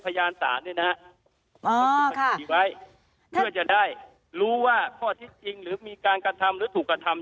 พยานศาลเนี่ยนะฮะคดีไว้เพื่อจะได้รู้ว่าข้อที่จริงหรือมีการกระทำหรือถูกกระทำ